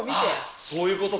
あっ、そういうことか。